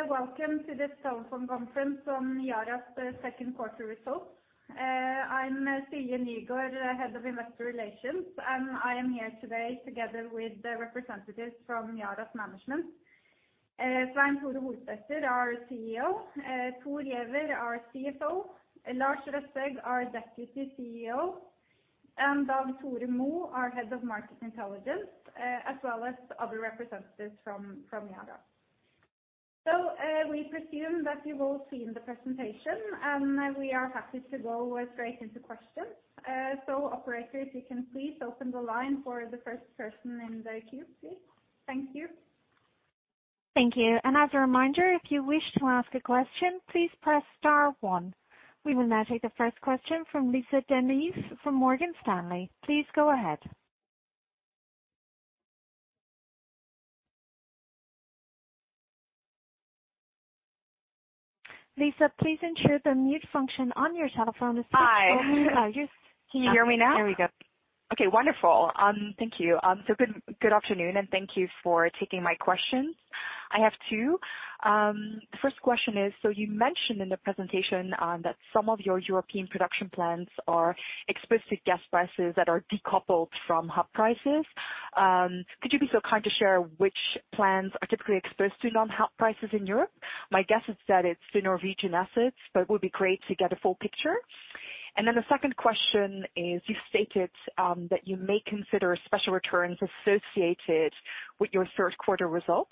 Thank you, and welcome to this telephone conference on Yara's second quarter results. I'm Silje Nygaard, Head of Investor Relations, and I am here today together with the representatives from Yara's management. Svein Tore Holsether, our CEO, Thor Giæver, our CFO, Lars Røsæg, our Deputy CEO, and Dag-Tore Moe, our Head of Market Intelligence, as well as other representatives from Yara. We presume that you've all seen the presentation, and we are happy to go straight into questions. Operator, if you can please open the line for the first person in the queue, please. Thank you. Thank you. As a reminder, if you wish to ask a question, please press star one. We will now take the first question from Lisa De Neve from Morgan Stanley. Please go ahead. Lisa, please ensure the mute function on your telephone is. Hi. Oh, you're. Can you hear me now? There we go. Okay, wonderful. Thank you. Good afternoon, and thank you for taking my questions. I have two. The first question is, so you mentioned in the presentation that some of your European production plants are exposed to gas prices that are decoupled from hub prices. Could you be so kind to share which plants are typically exposed to non-hub prices in Europe? My guess is that it's the Norwegian assets, but it would be great to get a full picture. Then the second question is, you stated that you may consider special returns associated with your third quarter results.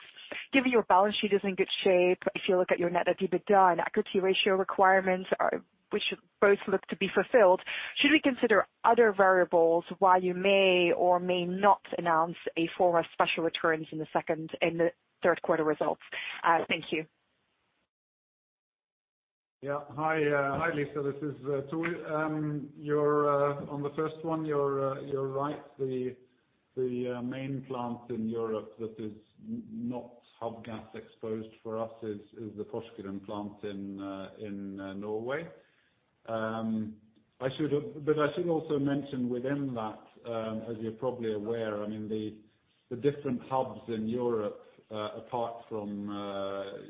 Given your balance sheet is in good shape, if you look at your net debt EBITDA and equity ratio requirements are which both look to be fulfilled, should we consider other variables why you may or may not announce a form of special returns in the second and the third quarter results? Thank you. Yeah. Hi, Lisa. This is Thor. You're on the first one, you're right. The main plant in Europe that is not hub gas exposed for us is the Porsgrunn plant in Norway. I should also mention within that, as you're probably aware, I mean, the different hubs in Europe, apart from,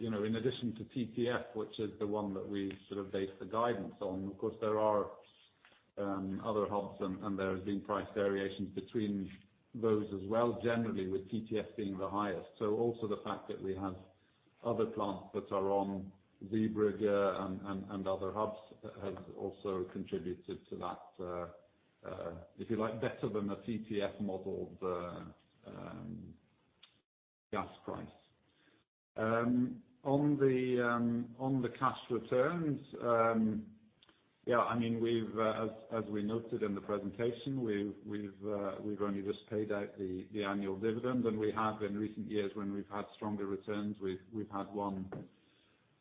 you know, in addition to TTF, which is the one that we sort of base the guidance on, of course there are other hubs and there has been price variations between those as well, generally with TTF being the highest. Also the fact that we have other plants that are on Zeebrugge and other hubs has also contributed to that, if you like, better than a TTF modeled gas price. On the cash returns, yeah, I mean, as we noted in the presentation, we've only just paid out the annual dividend, and we have in recent years when we've had stronger returns, we've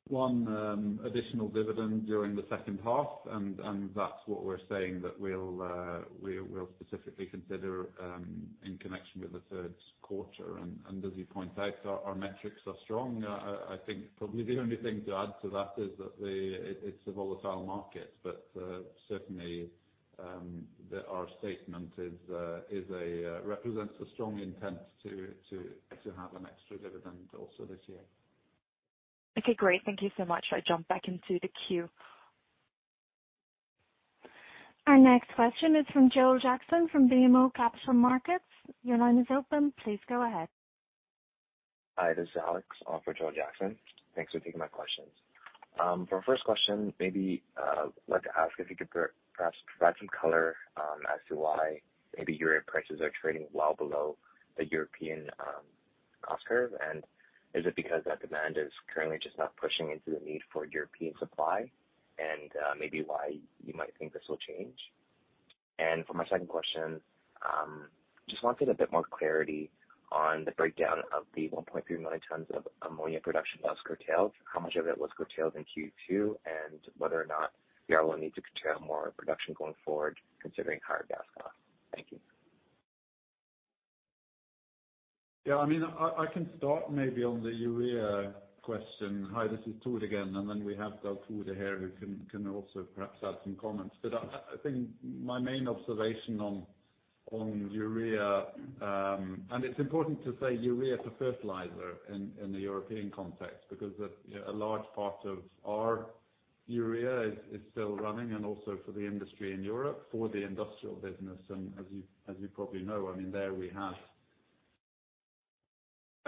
had one additional dividend during the second half, and that's what we're saying that we'll specifically consider in connection with the third quarter. As you point out, our metrics are strong. I think probably the only thing to add to that is that the It's a volatile market, but certainly, our statement represents a strong intent to have an extra dividend also this year. Okay, great. Thank you so much. I jump back into the queue. Our next question is from Joel Jackson from BMO Capital Markets. Your line is open. Please go ahead. Hi, this is Alex on for Joel Jackson. Thanks for taking my questions. For our first question, maybe like to ask if you could perhaps provide some color as to why maybe urea prices are trading well below the European cost curve. Maybe why you might think this will change. For my second question, just wanted a bit more clarity on the breakdown of the 1.3 million tons of ammonia production that was curtailed. How much of it was curtailed in Q2, and whether or not Yara will need to curtail more production going forward considering higher gas costs. Thank you. Yeah. I mean, I can start maybe on the urea question. Hi, this is Thor again, and then we have Dag Tore here who can also perhaps add some comments. I think my main observation on urea, and it's important to say urea is a fertilizer in the European context because, you know, a large part of our urea is still running and also for the industry in Europe, for the industrial business. As you probably know, I mean, there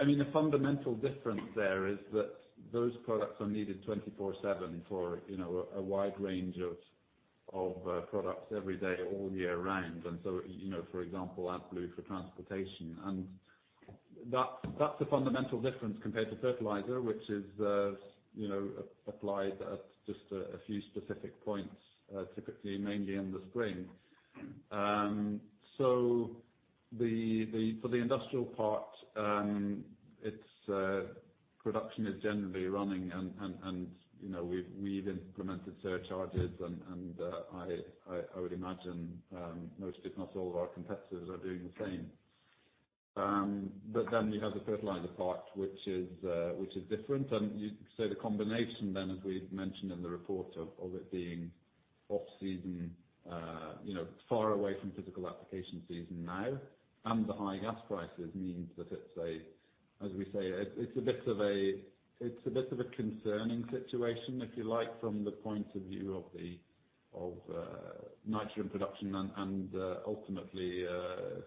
we have I mean, the fundamental difference there is that those products are needed 24/7 for, you know, a wide range of products every day, all year round. You know, for example, AdBlue for transportation. That's the fundamental difference compared to fertilizer, which is applied at just a few specific points, typically mainly in the spring. For the industrial part, its production is generally running and we've implemented surcharges and I would imagine most if not all of our competitors are doing the same. You have the fertilizer part which is different. You say the combination then, as we mentioned in the report, of it being off-season, you know, far away from physical application season now, and the high gas prices means that it's a bit of a concerning situation, if you like, from the point of view of the nitrogen production and ultimately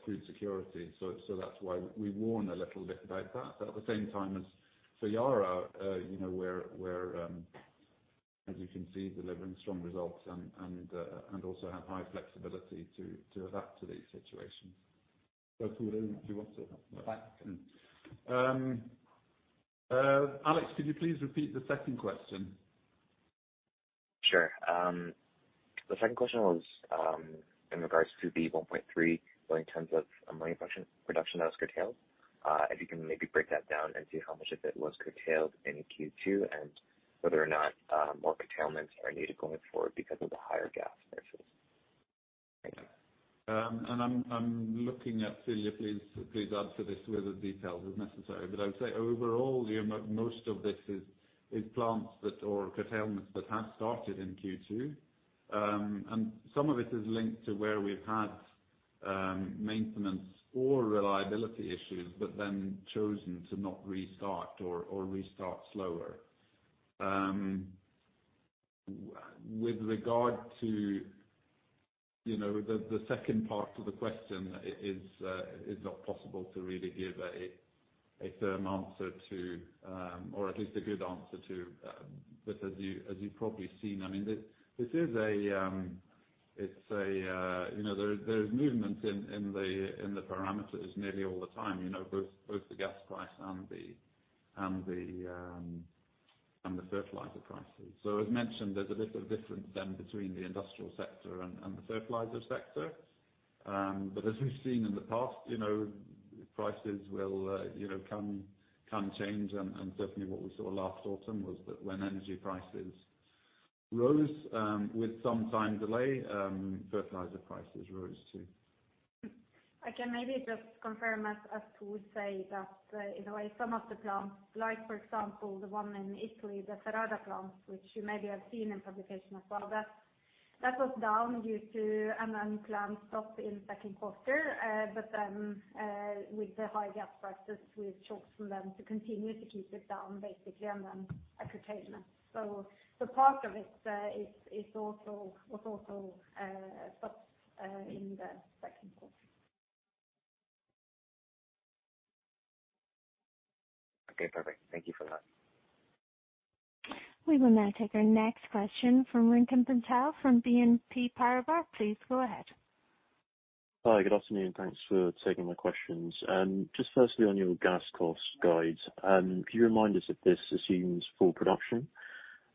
food security. That's why we warn a little bit about that. At the same time, as for Yara, you know, we're as you can see, delivering strong results and also have high flexibility to adapt to these situations. Go for it if you want to. Thanks. Alex, could you please repeat the second question? Sure. The second question was, in regards to the 1.3 billion tons of ammonia production that was curtailed, if you can maybe break that down and see how much of it was curtailed in Q2, and whether or not, more curtailments are needed going forward because of the higher gas prices? I'm looking at [Lars], please answer this with the details if necessary. I would say overall, you know, most of this is plants that or curtailments that have started in Q2. Some of it is linked to where we've had maintenance or reliability issues, but then chosen to not restart or restart slower. With regard to, you know, the second part of the question is not possible to really give a firm answer to, or at least a good answer to, because you, as you've probably seen, I mean, this is a, it's a, you know, there's movement in the parameters nearly all the time, you know, both the gas price and the fertilizer prices. As mentioned, there's a bit of a difference then between the industrial sector and the fertilizer sector. As we've seen in the past, you know, prices will, you know, can change. Certainly what we saw last autumn was that when energy prices rose, with some time delay, fertilizer prices rose too. I can maybe just confirm as Thor says that, in a way, some of the plants, like for example, the one in Italy, the Ferrara plant, which you maybe have seen in publication as well, that was down due to an unplanned stop in second quarter. With the high gas prices, we've chosen then to continue to keep it down basically and then a curtailment. Part of it was also stopped in the second quarter. Okay, perfect. Thank you for that. We will now take our next question from Aron Ceccarelli from BNP Paribas. Please go ahead. Hi, good afternoon. Thanks for taking my questions. Just firstly on your gas cost guide, can you remind us if this assumes full production?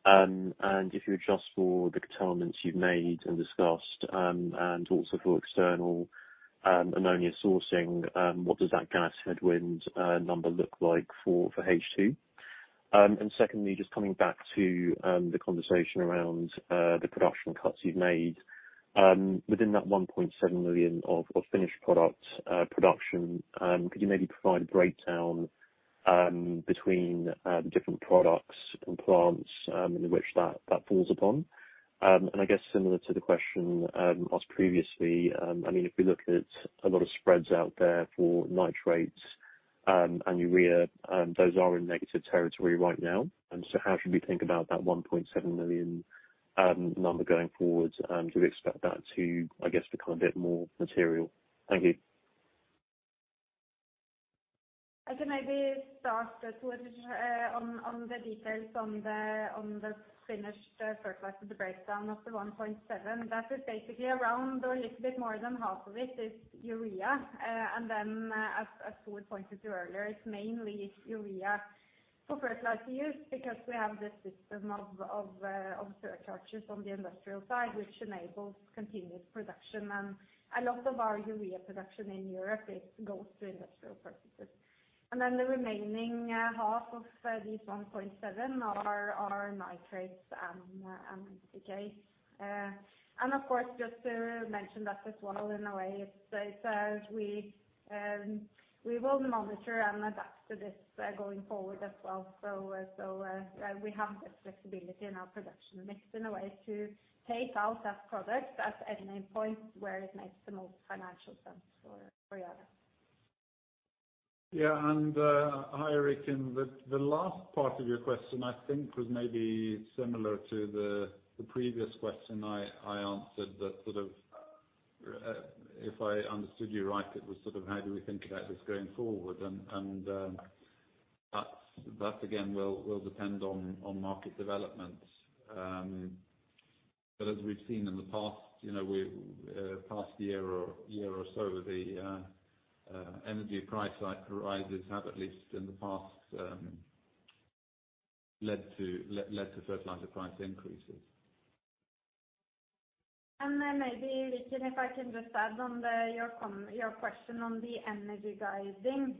And if you adjust for the curtailments you've made and discussed, and also for external ammonia sourcing, what does that gas headwind number look like for H2? Secondly, just coming back to the conversation around the production cuts you've made. Within that 1.7 million of finished product production, could you maybe provide a breakdown between the different products and plants in which that falls upon? And I guess similar to the question asked previously, I mean, if we look at a lot of spreads out there for nitrates and urea, those are in negative territory right now. How should we think about that 1.7 million number going forward? Do we expect that to, I guess, become a bit more material? Thank you. I can maybe start, Thor, on the details on the finished fertilizer, the breakdown of the 1.7 million. That is basically around or a little bit more than half of it is urea. As Thor pointed to earlier, it's mainly urea for fertilizer use because we have this system of surcharges on the industrial side, which enables continuous production. A lot of our urea production in Europe goes to industrial purposes. The remaining half of this 1.7 are nitrates and NPK. Of course, just to mention that as well, in a way it's we will monitor and adapt to this going forward as well. We have this flexibility in our production mix in a way to take out that product at any point where it makes the most financial sense for Yara. Yeah. Hi Aron. The last part of your question, I think, was maybe similar to the previous question I answered that sort of, if I understood you right, it was sort of how do we think about this going forward? That again will depend on market development. But as we've seen in the past, you know, past year or so, the energy price rises have at least in the past led to fertilizer price increases. Maybe, Aron, if I can just add on to your question on the energy guidance.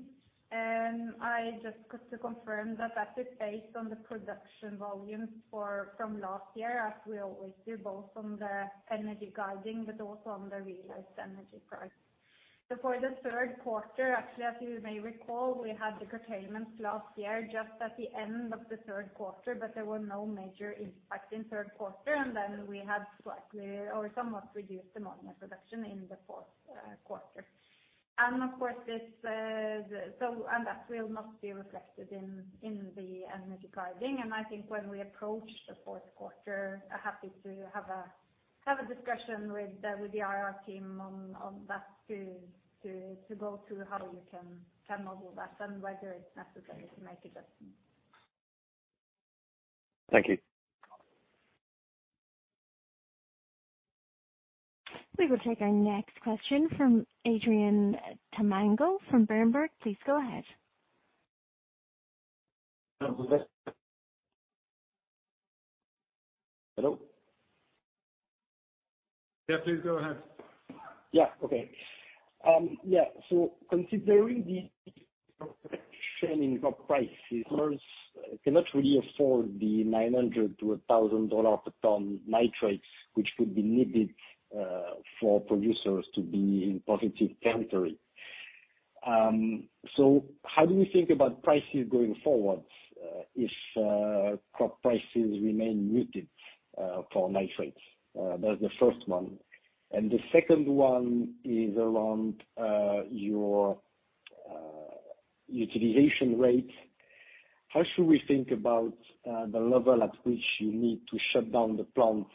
I just got to confirm that is based on the production volumes from last year, as we always do, both on the energy guidance, but also on the realized energy price. For the third quarter, actually as you may recall, we had the curtailments last year just at the end of the third quarter, but there were no major impact in third quarter, and then we had slightly or somewhat reduced ammonia production in the fourth quarter. Of course this and that will not be reflected in the energy guidance. I think when we approach the fourth quarter, happy to have a discussion with the IR team on that to go through how you can model that and whether it's necessary to make adjustments. Thank you. We will take our next question from Tristan Lamotte from Berenberg. Please go ahead. Hello? Yeah, please go ahead. Yeah. Okay. Yeah. Considering the prices cannot really afford the $900-$1,000 per ton nitrates, which would be needed for producers to be in positive territory. How do you think about prices going forward if crop prices remain muted for nitrates? That's the first one. The second one is around your utilization rate. How should we think about the level at which you need to shut down the plants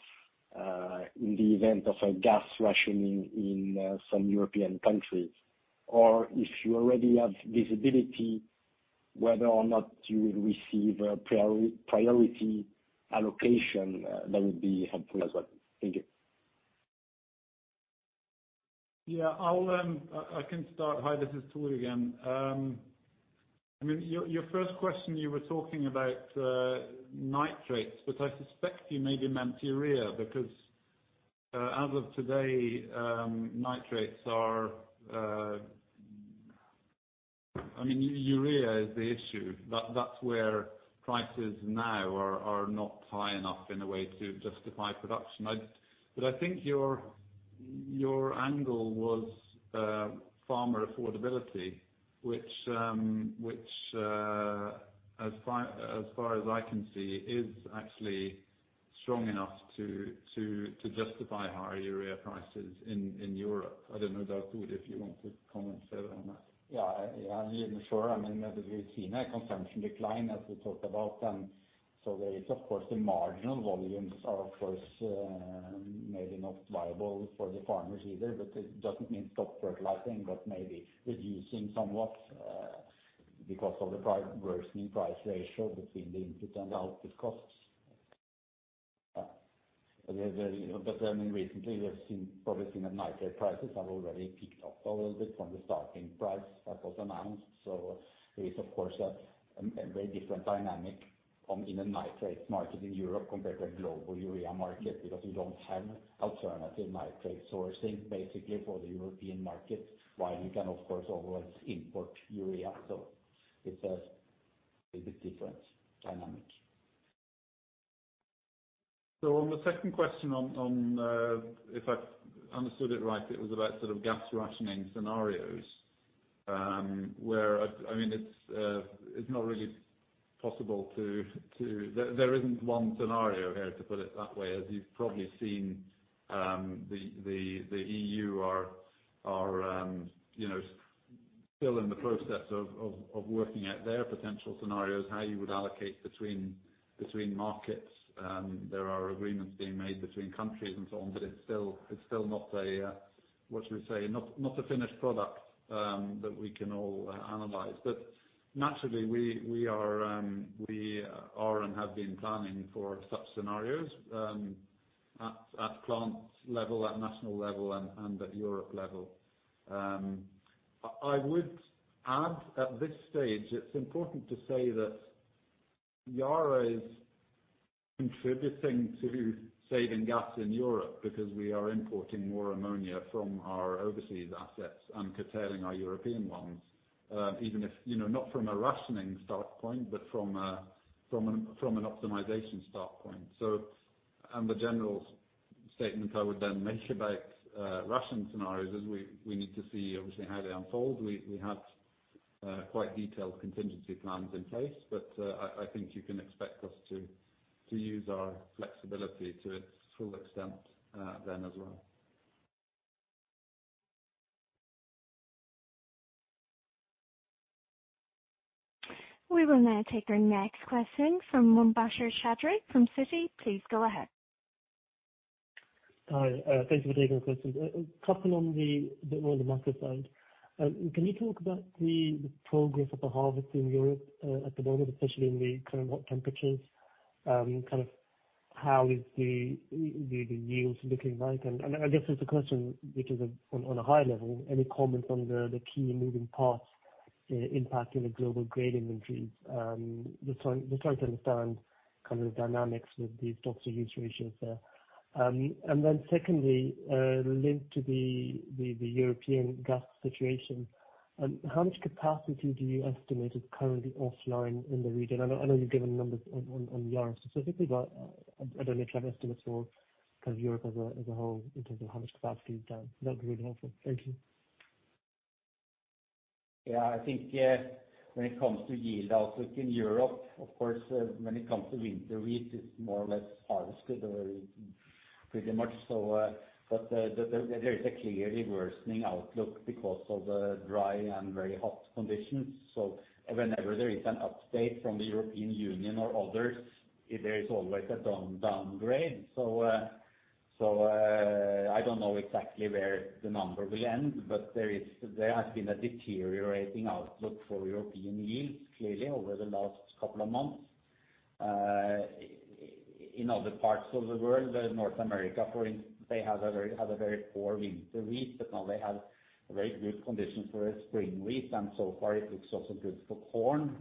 in the event of a gas rationing in some European countries, or if you already have visibility whether or not you will receive a priority allocation, that would be helpful as well. Thank you. Yeah, I can start. Hi, this is Thor again. I mean, your first question, you were talking about nitrates, but I suspect you maybe meant urea, because as of today, nitrates are. I mean, urea is the issue. That's where prices now are not high enough in a way to justify production. I think your angle was farmer affordability, which as far as I can see, is actually strong enough to justify higher urea prices in Europe. I don't know, Dag Tore Mo, if you want to comment further on that. Yeah. Yeah, sure. I mean, as we've seen a consumption decline as we talked about then, so there is of course the marginal volumes are of course maybe not viable for the farmers either, but it doesn't mean stop fertilizing, but maybe reducing somewhat because of the price worsening price ratio between the input and the output costs. But then recently we've seen, probably seen that nitrate prices have already picked up a little bit from the starting price that was announced. There is of course a very different dynamic in the nitrates market in Europe compared to global urea market, because we don't have alternative nitrate sourcing basically for the European market, while you can of course always import urea. It's a little bit different dynamic. On the second question, if I understood it right, it was about sort of gas rationing scenarios, where I mean, it's not really possible. There isn't one scenario here, to put it that way. As you've probably seen, the E.U. are, you know, still in the process of working out their potential scenarios, how you would allocate between markets. There are agreements being made between countries and so on, but it's still not a, what should we say, not a finished product, that we can all analyze. Naturally, we are and have been planning for such scenarios, at plant level, at national level, and at Europe level. I would add at this stage it's important to say that Yara is contributing to saving gas in Europe because we are importing more ammonia from our overseas assets and curtailing our European ones, even if, you know, not from a rationing standpoint, but from an optimization standpoint. The general statement I would then make about rationing scenarios is we need to see obviously how they unfold. We have quite detailed contingency plans in place, but I think you can expect us to use our flexibility to its full extent, then as well. We will now take our next question from Mubasher Chowdhury from Citi. Please go ahead. Hi, thank you for taking the question. Tapping on the more on the macro side, can you talk about the progress of the harvest in Europe at the moment, especially in the kind of hot temperatures, kind of how is the yields looking like? I guess there's a question which is on a high level, any comment on the key moving parts impacting the global grain inventories? Just trying to understand kind of the dynamics with these stock to use ratios there. Secondly, linked to the European gas situation, how much capacity do you estimate is currently offline in the region? I know you've given numbers on Yara specifically, but I don't know if you have estimates for kind of Europe as a whole in terms of how much capacity is down. That'd be really helpful. Thank you. I think, when it comes to yield outlook in Europe, of course, when it comes to winter wheat, it's more or less harvested or pretty much so. There is a clearly worsening outlook because of the dry and very hot conditions. Whenever there is an update from the European Union or others, there is always a downgrade. I don't know exactly where the number will end, but there has been a deteriorating outlook for European yields clearly over the last couple of months. In other parts of the world, North America, they have a very poor winter wheat, but now they have very good conditions for spring wheat. So far it looks also good for corn,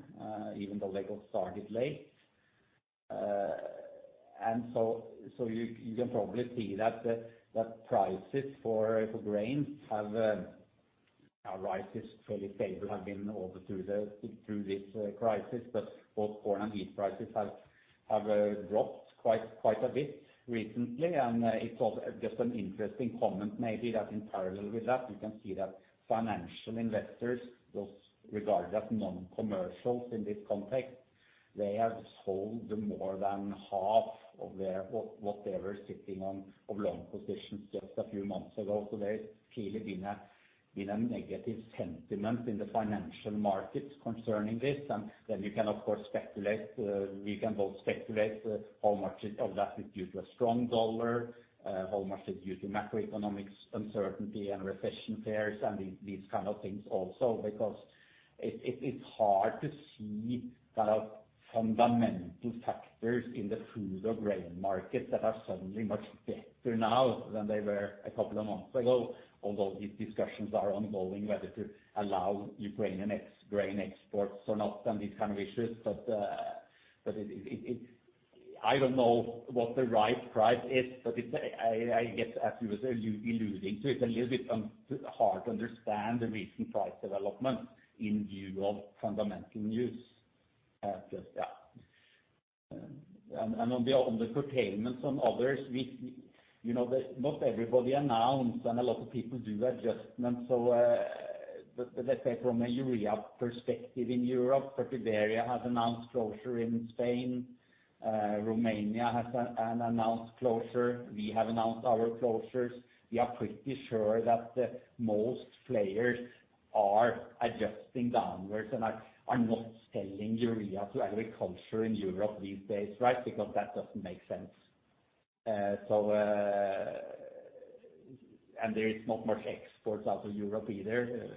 even though they got started late. You can probably see that prices for grain have. Now rice is fairly stable have been all through this crisis, but both corn and wheat prices have dropped quite a bit recently. It's also just an interesting comment maybe that in parallel with that, you can see that financial investors, those regarded as non-commercials in this context, they have sold more than half of what they were sitting on of long positions just a few months ago. There's clearly been a negative sentiment in the financial markets concerning this. You can of course speculate. We can both speculate how much of that is due to a strong U.S. dollar, how much is due to macroeconomic uncertainty and recession fears and these kinds of things also. Because it's hard to see fundamental factors in the food or grain markets that are suddenly much better now than they were a couple of months ago, although these discussions are ongoing whether to allow Ukrainian grain exports or not and these kinds of issues. I don't know what the right price is, but it's, I guess, as you were alluding to, it's a little bit hard to understand the recent price development in view of fundamental news, just yeah. On the curtailments on others, we, you know, not everybody announced, and a lot of people do adjustments. Let's say from a urea perspective in Europe, Fertiberia has announced closure in Spain. Romania has an announced closure. We have announced our closures. We are pretty sure that the most players are adjusting downwards and are not selling urea to agriculture in Europe these days, right? Because that doesn't make sense. There is not much exports out of Europe either.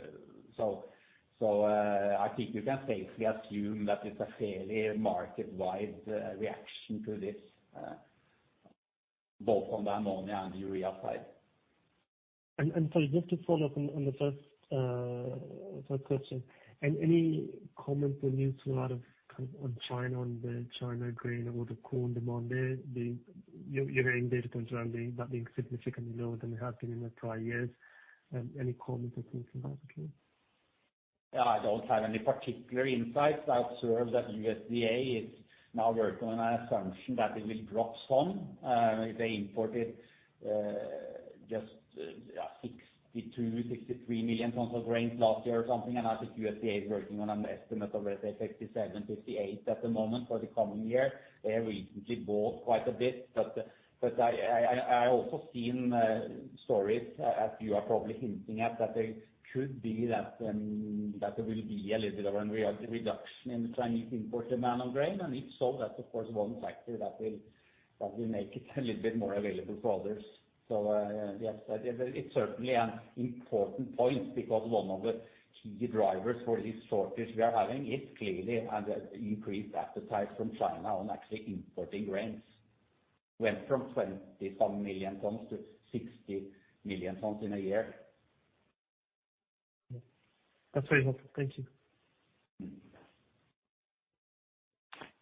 I think we can safely assume that it's a fairly market-wide reaction to this, both on the ammonia and urea side. Sorry, just to follow up on the first question. Any comment from you to a lot of kind of on China, the China grain or the corn demand there, you're hearing data concerning that being significantly lower than it has been in the prior years. Any comments or thoughts on that, again? Yeah, I don't have any particular insights. I observe that USDA is now working on an assumption that it will drop some. They imported just 62-63 million tons of grain last year or something. I think USDA is working on an estimate of, let's say, 67-68 at the moment for the coming year. They recently bought quite a bit. But I also seen stories, as you are probably hinting at, that there will be a little bit of a reduction in Chinese import demand on grain. If so, that's of course one factor that will make it a little bit more available for others. Yes, it's certainly an important point because one of the key drivers for this shortage we are having is clearly an increased appetite from China on actually importing grains. Went from 20-something million tons to 60 million tons in a year. That's very helpful. Thank you.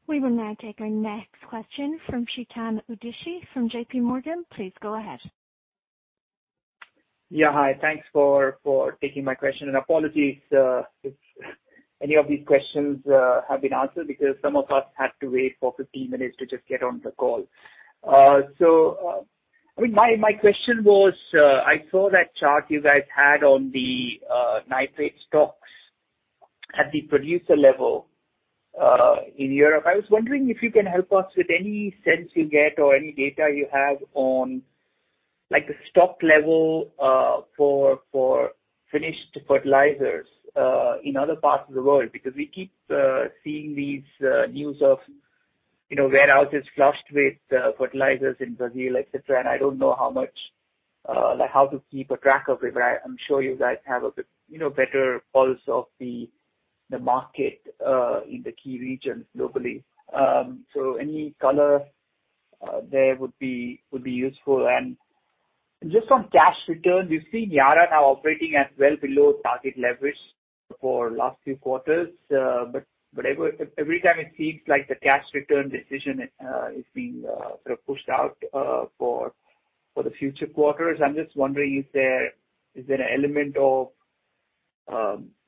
We will now take our next question from Chetan Udeshi from JPMorgan. Please go ahead. Yeah, hi. Thanks for taking my question. Apologies if any of these questions have been answered because some of us had to wait for 15 minutes to just get on the call. I mean, my question was, I saw that chart you guys had on the nitrate stocks at the producer level in Europe. I was wondering if you can help us with any sense you get or any data you have on, like, the stock level for finished fertilizers in other parts of the world. Because we keep seeing these news of, you know, warehouses flushed with fertilizers in Brazil, et cetera. I don't know how much, like, how to keep a track of it, but I'm sure you guys have a bit, you know, better pulse of the market in the key regions globally. Any color there would be useful. Just on cash returns, we've seen Yara now operating at well below target leverage for last few quarters. But every time it seems like the cash return decision is being sort of pushed out for For the future quarters, I'm just wondering if there is an element of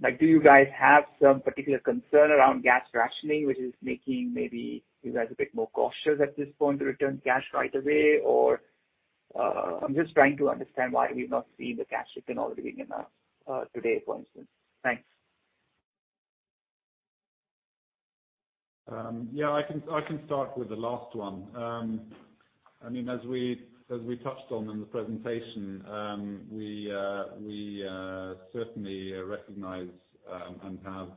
like do you guys have some particular concern around gas rationing which is making maybe you guys a bit more cautious at this point to return cash right away? Or, I'm just trying to understand why we've not seen the cash to equity enough, today for instance. Thanks. Yeah, I can start with the last one. I mean, as we touched on in the presentation, we certainly recognize and have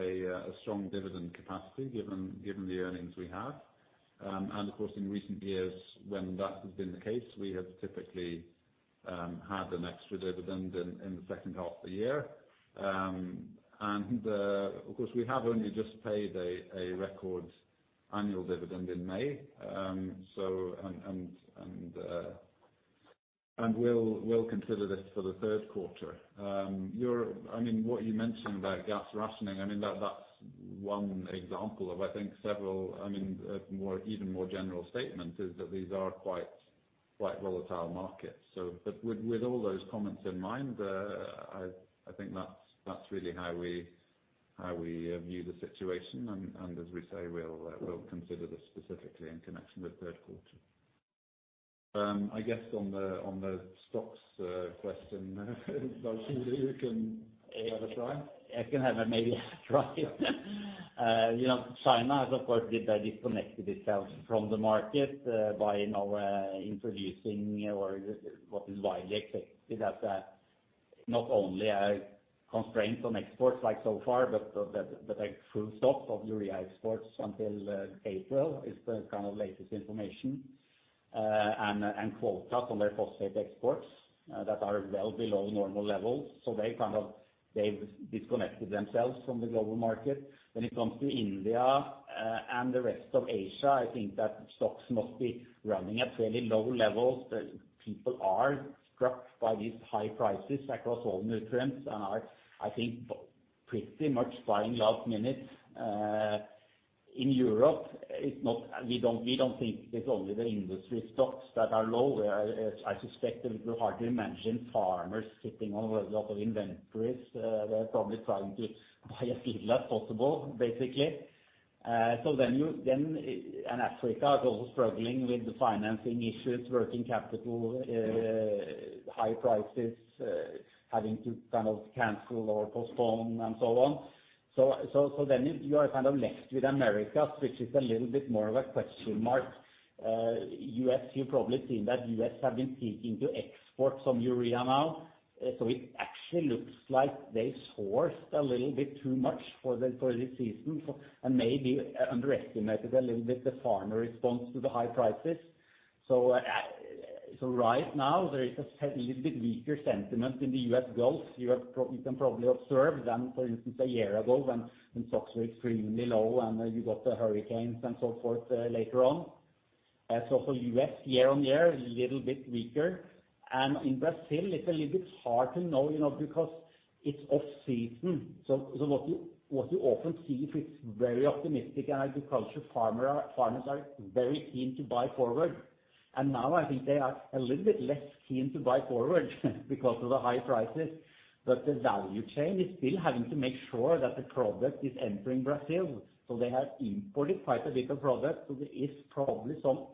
a strong dividend capacity given the earnings we have. Of course in recent years when that has been the case, we have typically had an extra dividend in the second half of the year. Of course, we have only just paid a record annual dividend in May. We'll consider this for the third quarter. I mean, what you mentioned about gas rationing, I mean that's one example of, I think, several. I mean, more even more general statement is that these are quite volatile markets. With all those comments in mind, I think that's really how we view the situation. As we say, we'll consider this specifically in connection with third quarter. I guess on the stocks question, Tore, you can have a try. I can have maybe a try. You know, China has of course basically disconnected itself from the market by now, introducing or what is widely accepted as not only a constraint on exports like so far, but the full stop of urea exports until April is the kind of latest information, and quotas on their phosphate exports that are well below normal levels. They kind of, they've disconnected themselves from the global market. When it comes to India and the rest of Asia, I think that stocks must be running at fairly low levels. People are struck by these high prices across all nutrients and are, I think, pretty much buying last minute. In Europe we don't think it's only the industry stocks that are low. I suspect that we hardly mention farmers sitting on a lot of inventories. They're probably trying to buy as little as possible, basically. You and Africa are also struggling with the financing issues, working capital, high prices, having to kind of cancel or postpone and so on. You are kind of left with Americas, which is a little bit more of a question mark. U.S., you've probably seen that U.S. have been seeking to export some urea now. It actually looks like they sourced a little bit too much for this season and maybe underestimated a little bit the farmer response to the high prices. Right now there is a slight bit weaker sentiment in the U.S. Gulf. You can probably observe that for instance a year ago when stocks were extremely low and you got the hurricanes and so forth, later on. For U.S. year-on-year, a little bit weaker. In Brazil it's a little bit hard to know, you know, because it's off-season. What you often see, if it's very optimistic and farmers are very keen to buy forward. Now I think they are a little bit less keen to buy forward because of the high prices. The value chain is still having to make sure that the product is entering Brazil. They have imported quite a bit of product. There is probably some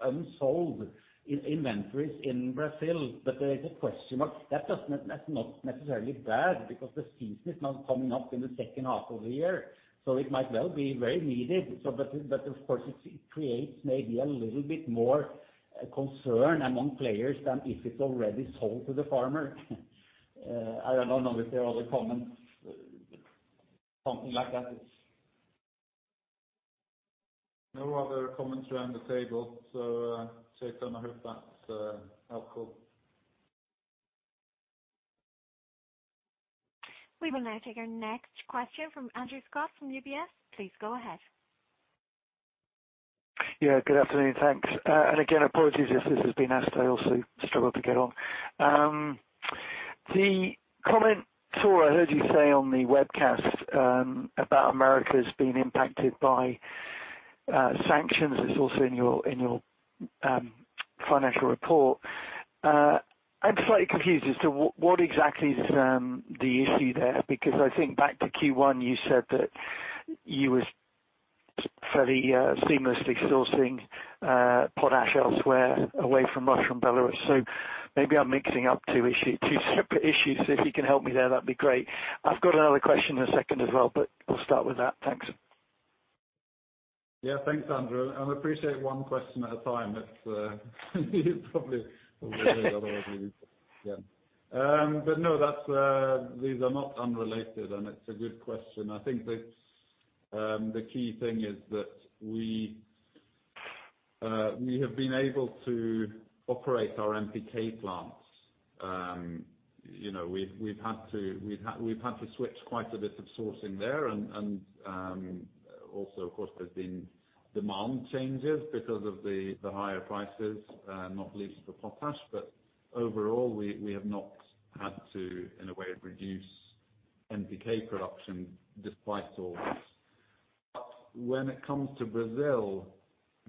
unsold in inventories in Brazil. There is a question mark. That doesn't, that's not necessarily bad because the season is now coming up in the second half of the year. It might well be very needed. But of course it creates maybe a little bit more concern among players than if it's already sold to the farmer. I don't know if there are other comments. Something like that is. No other comments around the table. Chetan, I hope that's helpful. We will now take our next question from Andrew Sheridan from UBS. Please go ahead. Yeah, good afternoon. Thanks. Again, apologies if this has been asked. I also struggled to get on. The comment, Thor, I heard you say on the webcast about Americas being impacted by sanctions. It's also in your financial report. I'm slightly confused as to what exactly is the issue there? Because I think back to Q1, you said that you were fairly seamlessly sourcing potash elsewhere away from Russia and Belarus. Maybe I'm mixing up two issues, two separate issues. If you can help me there, that'd be great. I've got another question in a second as well, but we'll start with that. Thanks. Thanks, Andrew, and appreciate one question at a time. No, that's these are not unrelated, and it's a good question. I think the key thing is that we have been able to operate our NPK plants. You know, we've had to switch quite a bit of sourcing there. And also of course there's been demand changes because of the higher prices, not least for potash. Overall we have not had to, in a way, reduce NPK production despite all this. When it comes to Brazil,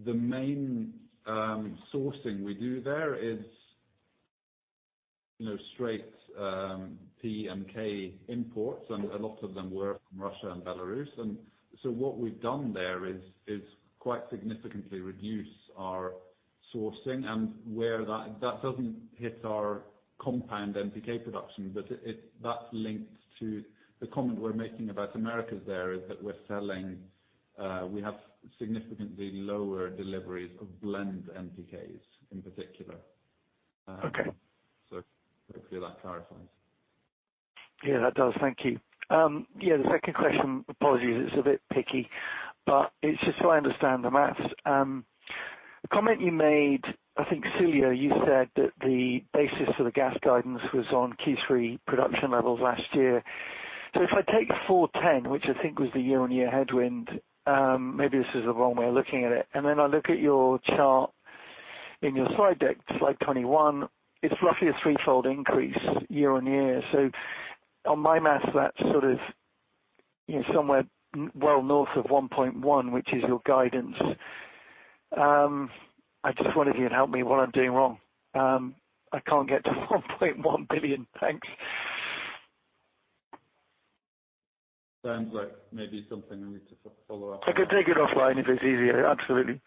the main sourcing we do there is you know, straight P and K imports, and a lot of them were from Russia and Belarus. What we've done there is quite significantly reduce our sourcing and where that doesn't hit our compound NPK production. That links to the comment we're making about Americas there, is that we're selling, we have significantly lower deliveries of blend NPKs in particular. Okay. Hopefully that clarifies. Yeah, that does. Thank you. Yeah, the second question, apologies it's a bit picky, but it's just so I understand the math. The comment you made, I think, Silje, you said that the basis for the gas guidance was on Q3 production levels last year. If I take 410, which I think was the year-on-year headwind, maybe this is the wrong way of looking at it. Then I look at your chart in your slide deck, slide 21, it's roughly a threefold increase year-on-year. On my math, that's sort of, you know, somewhere, well, north of $1.1 billion, which is your guidance. I just wondered if you'd help me what I'm doing wrong. I can't get to $1.1 billion. Thanks. Sounds like maybe something we need to follow up. I could take it offline if it's easier, absolutely.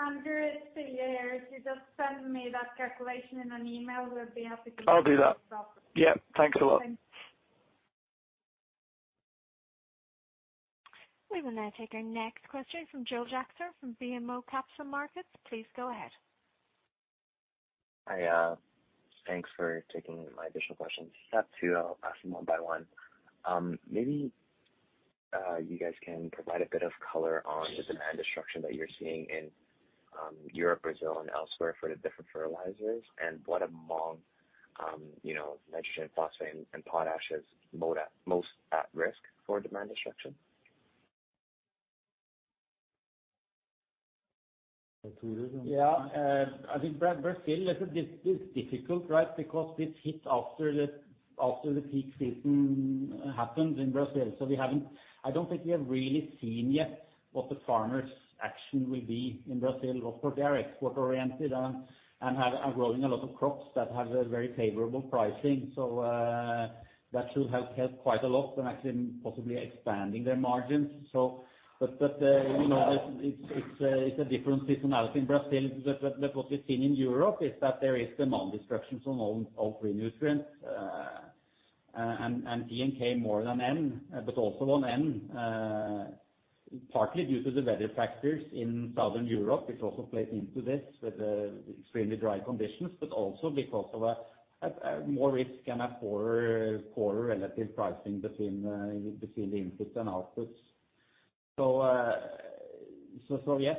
Andrew, it's Silje here. If you just send me that calculation in an email, we'll be happy to. I'll do that. Yeah. Thanks a lot. Thanks. We will now take our next question from Joel Jackson from BMO Capital Markets. Please go ahead. Thanks for taking my additional questions. I have two, I'll ask them one by one. Maybe you guys can provide a bit of color on the demand destruction that you're seeing in Europe, Brazil and elsewhere for the different fertilizers. What among nitrogen, phosphate and potash is most at risk for demand destruction? To you, Dag Tore Mo. Yeah. I think Brazil, this is difficult, right? Because this hit after the peak season happened in Brazil. We haven't. I don't think we have really seen yet what the farmers action will be in Brazil. Of course, they are export oriented and are growing a lot of crops that have a very favorable pricing. That should help quite a lot and actually possibly expanding their margins. But you know, it's a different seasonality in Brazil. What we've seen in Europe is that there is demand destruction from all three nutrients, and P and K more than N, but also on N, partly due to the weather factors in Southern Europe, which also plays into this with extremely dry conditions, but also because of a more risk and a poorer relative pricing between the inputs and outputs. Yes,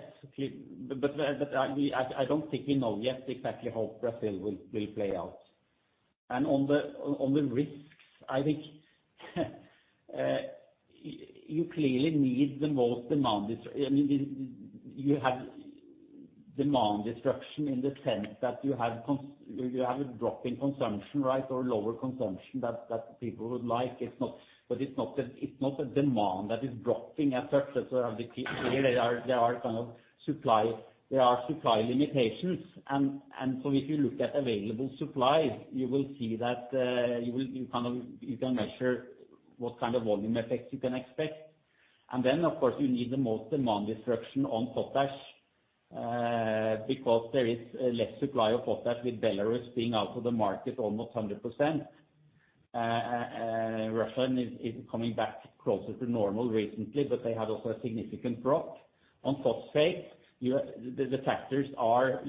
but I don't think we know yet exactly how Brazil will play out. On the risks, I think you clearly need the most demand destruction. I mean, you have demand destruction in the sense that you have a drop in consumption, right? Or lower consumption that people would like. It's not a demand that is dropping as such. As I said earlier, there are supply limitations. If you look at available supply, you will see that you can measure what kind of volume effects you can expect. Then of course, you need the most demand destruction on potash because there is less supply of potash with Belarus being out of the market almost 100%. Russia is coming back closer to normal recently, but they had also a significant drop. On phosphate, the factors are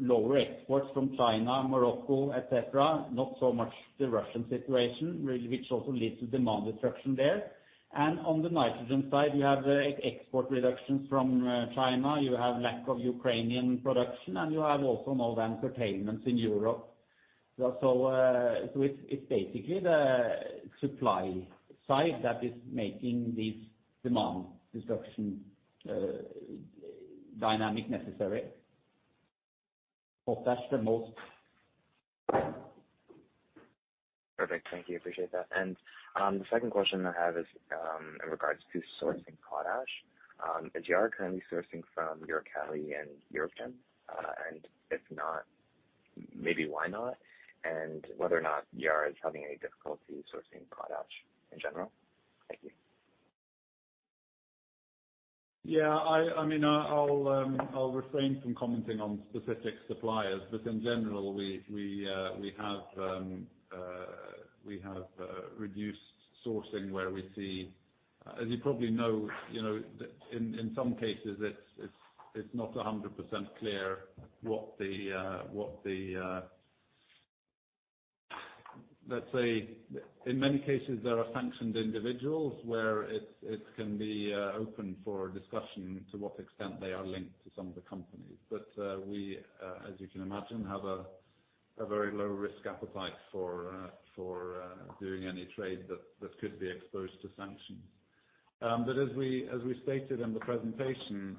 lower exports from China, Morocco, et cetera, not so much the Russian situation really, which also leads to demand destruction there. On the nitrogen side, you have export reductions from China. You have lack of Ukrainian production, and you have also more than interruptions in Europe. It's basically the supply side that is making this demand destruction dynamic necessary. potash the most. Perfect. Thank you. Appreciate that. The second question I have is, in regards to sourcing potash, is Yara currently sourcing from Uralkali and EuroChem? If not, maybe why not? Whether or not Yara is having any difficulty sourcing potash in general. Thank you. Yeah. I mean, I'll refrain from commenting on specific suppliers. In general, we have reduced sourcing where we see. As you probably know, you know, in some cases, it's not 100% clear what the. Let's say in many cases there are sanctioned individuals where it can be open for discussion to what extent they are linked to some of the companies. As you can imagine, we have a very low risk appetite for doing any trade that could be exposed to sanctions. As we stated in the presentation,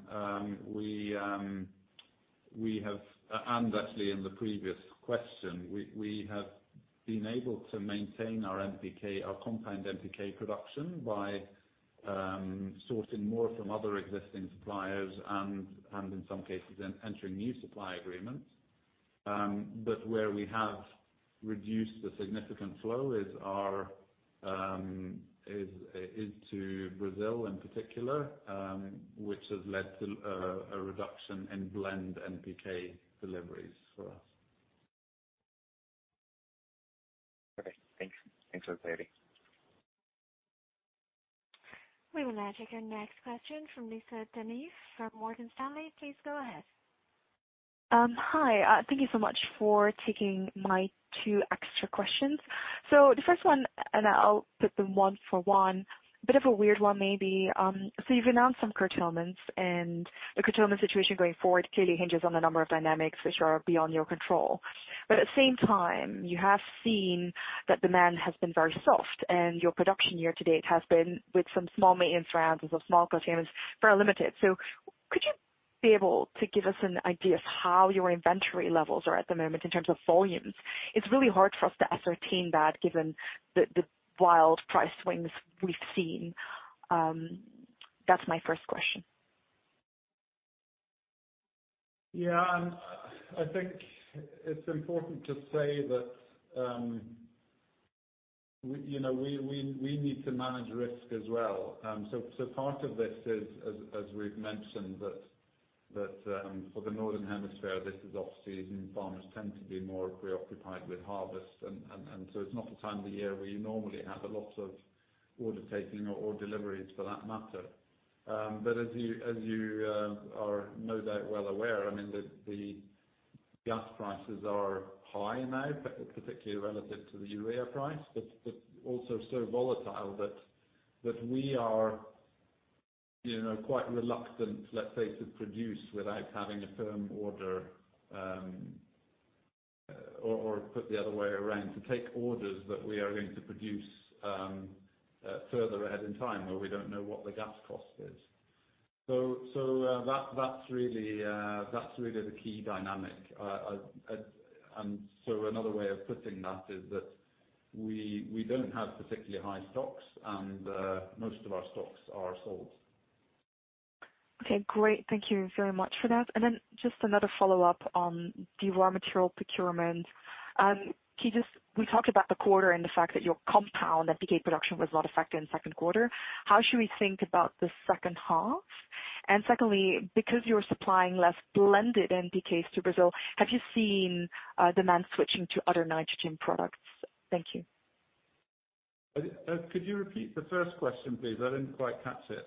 and actually in the previous question, we have been able to maintain our NPK, our compound NPK production by sourcing more from other existing suppliers and in some cases entering new supply agreements. Where we have reduced the significant flow is to Brazil in particular, which has led to a reduction in blend NPK deliveries for us. Okay. Thanks for the clarity. We will now take our next question from Lisa De Neve from Morgan Stanley. Please go ahead. Hi, thank you so much for taking my two extra questions. The first one, and I'll put them one by one, bit of a weird one maybe. You've announced some curtailments and the curtailment situation going forward clearly hinges on a number of dynamics which are beyond your control. At the same time, you have seen that demand has been very soft and your production year to date has been with some small maintenance rounds and some small curtailments, very limited. Could you be able to give us an idea of how your inventory levels are at the moment in terms of volumes? It's really hard for us to ascertain that given the wild price swings we've seen. That's my first question. Yeah. I think it's important to say that we, you know, need to manage risk as well. Part of this is, as we've mentioned that, for the northern hemisphere, this is off-season. Farmers tend to be more preoccupied with harvest. It's not the time of the year where you normally have a lot of order taking or deliveries for that matter. As you are no doubt well aware, I mean the gas prices are high now, particularly relative to the urea price, but also so volatile that we are, you know, quite reluctant, let's say, to produce without having a firm order, or put the other way around to take orders that we are going to produce further ahead in time where we don't know what the gas cost is. That's really the key dynamic. Another way of putting that is that we don't have particularly high stocks, and most of our stocks are sold. Okay, great. Thank you very much for that. Just another follow-up on the raw material procurement. We talked about the quarter and the fact that your compound NPK production was not affected in second quarter. How should we think about the second half? Secondly, because you're supplying less blended NPKs to Brazil, have you seen demand switching to other nitrogen products? Thank you. Could you repeat the first question, please? I didn't quite catch it.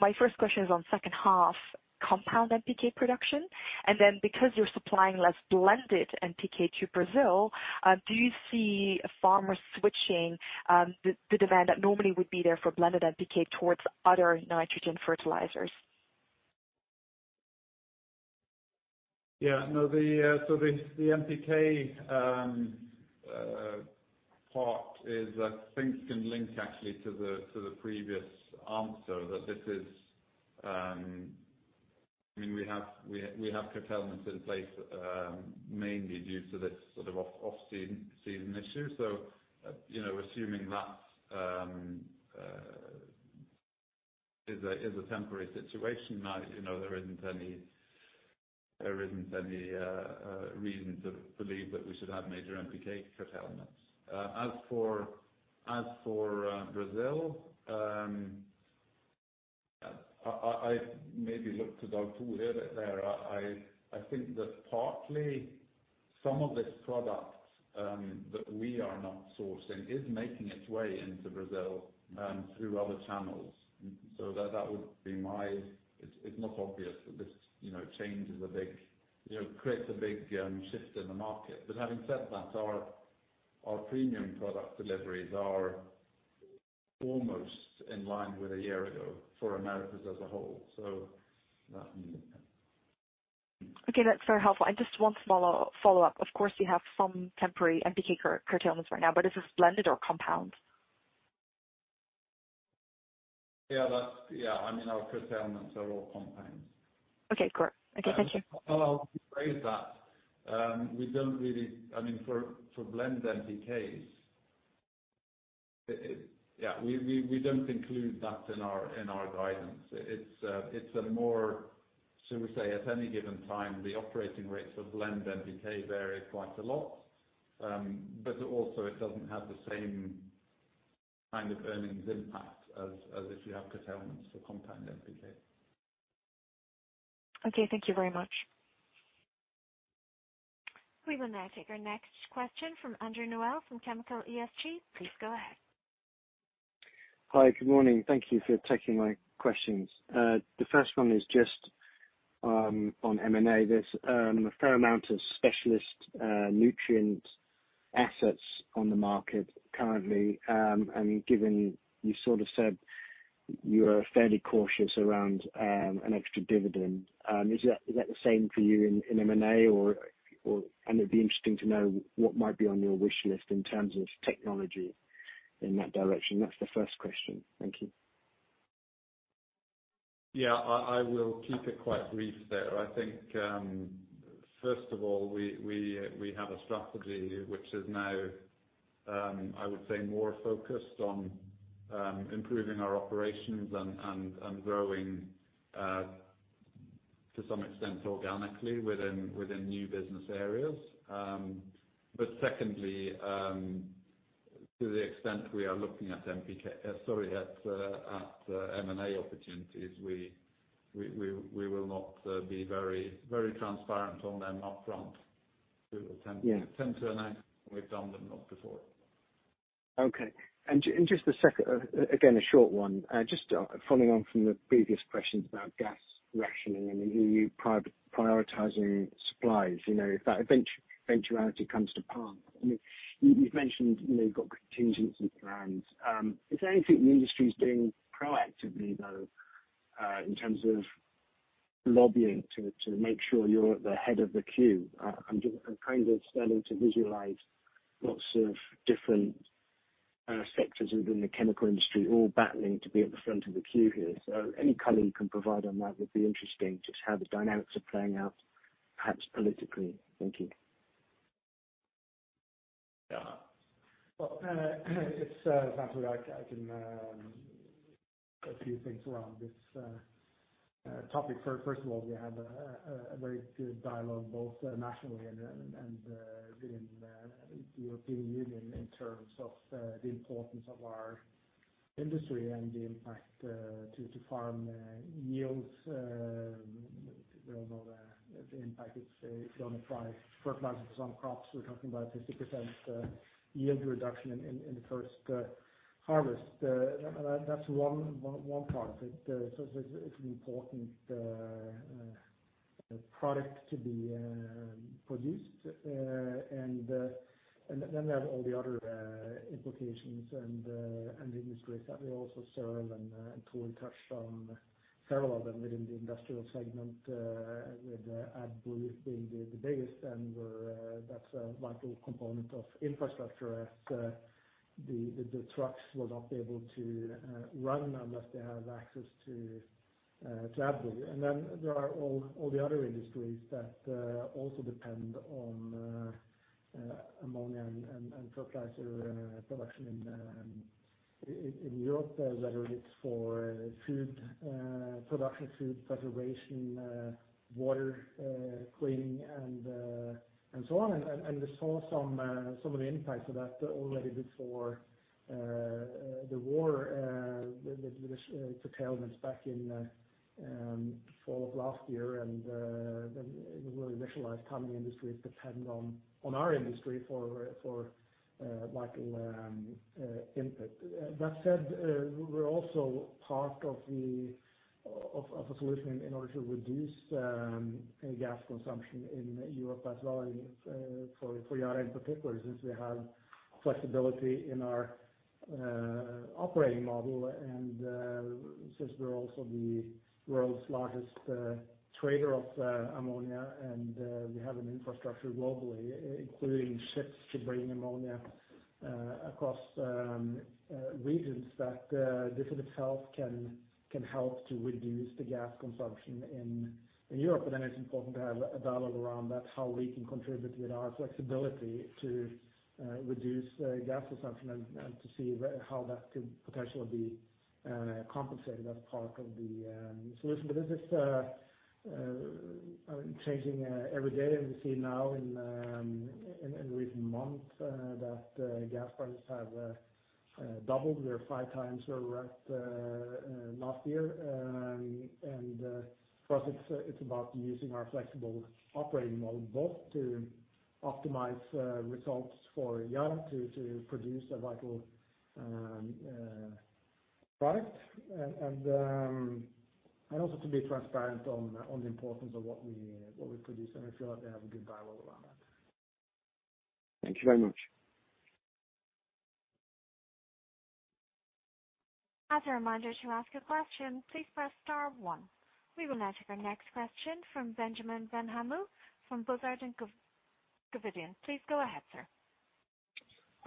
My first question is on second half compound NPK production, and then because you're supplying less blended NPK to Brazil, do you see farmers switching the demand that normally would be there for blended NPK towards other nitrogen fertilizers? Yeah, no. The NPK part is I think can link actually to the previous answer that this is, I mean we have curtailments in place, mainly due to this sort of off-season issue. You know, assuming that is a temporary situation now, you know, there isn't any reason to believe that we should have major NPK curtailment. As for Brazil, I maybe look to Dag Tore Mo too here, but there I think that partly some of this product that we are not sourcing is making its way into Brazil through other channels. That would be my. It's not obvious that this, you know, creates a big shift in the market. Having said that, our premium product deliveries are almost in line with a year ago for Americas as a whole that. Okay, that's very helpful. Just one follow-up. Of course, you have some temporary NPK curtailments right now, but is this blended or compound? Yeah, that's, yeah, I mean, our curtailments are all compounds. Okay, great. Okay, thank you. I'll rephrase that. We don't really. I mean, for blend NPK, it. Yeah, we don't include that in our guidance. It's a more, shall we say, at any given time the operating rates of blend NPK vary quite a lot. Also, it doesn't have the same kind of earnings impact as if you have curtailments for compound NPK. Okay, thank you very much. We will now take our next question from Andrew Noël from Kepler Cheuvreux. Please go ahead. Hi. Good morning. Thank you for taking my questions. The first one is just on M&A. There's a fair amount of specialist nutrient assets on the market currently. Given you sort of said you are fairly cautious around an extra dividend, is that the same for you in M&A or. It'd be interesting to know what might be on your wish list in terms of technology in that direction. That's the first question. Thank you. Yeah, I will keep it quite brief there. I think first of all, we have a strategy which is now I would say more focused on improving our operations and growing to some extent organically within new business areas. Secondly, to the extent we are looking at M&A opportunities, we will not be very transparent on them upfront. We will tend. Yeah. Tend to announce when we've done them, not before. Okay. Just a second, again, a short one. Just following on from the previous questions about gas rationing and the E.U. prioritizing supplies. You know, if that eventuality comes to pass, I mean, you've mentioned you've got contingency plans. Is there anything the industry is doing proactively, though, in terms of lobbying to make sure you're at the head of the queue? I'm just kind of starting to visualize lots of different sectors within the chemical industry all battling to be at the front of the queue here. Any color you can provide on that would be interesting. Just how the dynamics are playing out, perhaps politically. Thank you. Yeah. It's something I can a few things around this topic. First of all, we have a very good dialogue both nationally and within the European Union in terms of the importance of our industry and the impact to farm yields. We all know the impact it's gonna apply. Fertilizers for some crops, we're talking about 50% yield reduction in the first harvest. That's one part. So it's an important product to be produced. Then we have all the other implications and industries that we also serve. Thor touched on several of them within the industrial segment with AdBlue being the biggest. We're that's a vital component of infrastructure as the trucks will not be able to run unless they have access to AdBlue. Then there are all the other industries that also depend on ammonia and fertilizer production in Europe. Whether it's for food production, food preservation, water cleaning, and so on. We saw some of the impacts of that already before the war with two tailwinds back in fall of last year. Then we really visualized how many industries depend on our industry for vital input. That said, we're also part of a solution in order to reduce gas consumption in Europe as well. I mean, for Yara in particular, since we have flexibility in our operating model. Since we're also the world's largest trader of ammonia, and we have an infrastructure globally, including ships to bring ammonia across regions that definitely can help to reduce the gas consumption in Europe. It's important to have a dialogue around that, how we can contribute with our flexibility to reduce gas consumption and to see how that could potentially be compensated as part of the solution. This is changing every day. We see now in recent months that gas prices have doubled. They're five times where we're at last year. For us, it's about using our flexible operating model, both to optimize results for Yara to produce a vital product and also to be transparent on the importance of what we produce. I feel like we have a good dialogue around that. Thank you very much. As a reminder, to ask a question, please press star one. We will now take our next question from Bengt Jonassen from ABG Sundal Collier. Please go ahead, sir.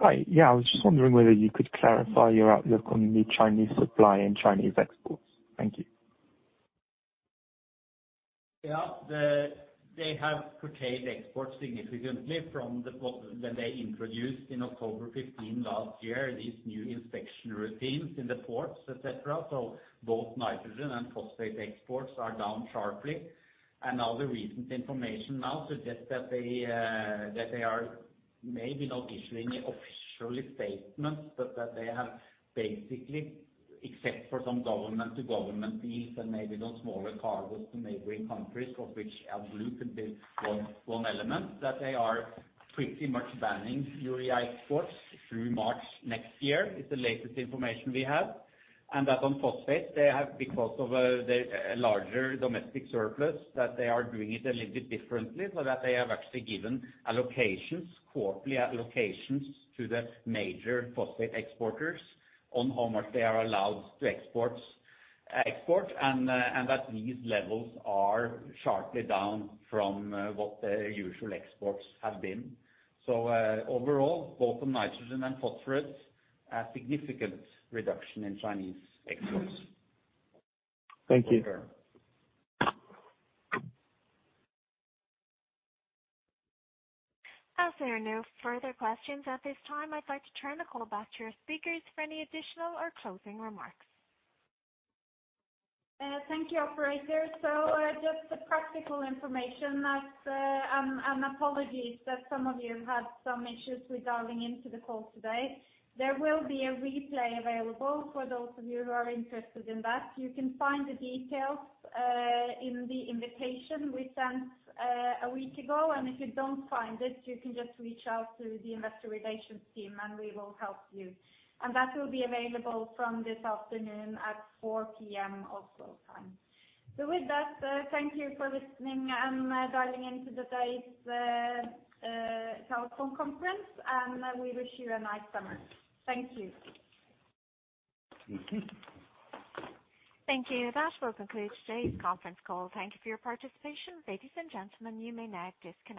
Hi. Yeah. I was just wondering whether you could clarify your outlook on the Chinese supply and Chinese exports? Thank you. Yeah. They have curtailed exports significantly from when they introduced in October 15 last year, these new inspection routines in the ports, et cetera. Both nitrogen and phosphate exports are down sharply. All the recent information now suggests that they are maybe not issuing official statements, but that they have basically, except for some government to government deals and maybe those smaller cargos to neighboring countries of which AdBlue could be one element, that they are pretty much banning urea exports through March next year, is the latest information we have. That on phosphate, they have, because of their larger domestic surplus, that they are doing it a little bit differently. They have actually given allocations, quarterly allocations to the major phosphate exporters on how much they are allowed to export that these levels are sharply down from what their usual exports have been. Overall, both on nitrogen and phosphorus, a significant reduction in Chinese exports. Thank you. Okay. As there are no further questions at this time, I'd like to turn the call back to your speakers for any additional or closing remarks. Thank you, operator. Just the practical information that, and apologies that some of you had some issues with dialing into the call today. There will be a replay available for those of you who are interested in that. You can find the details in the invitation we sent a week ago. If you don't find it, you can just reach out to the investor relations team, and we will help you. That will be available from this afternoon at 4:00 P.M. Oslo time. With that, thank you for listening and dialing into today's telephone conference, and we wish you a nice summer. Thank you. Thank you. Thank you. That will conclude today's conference call. Thank you for your participation. Ladies and gentlemen, you may now disconnect.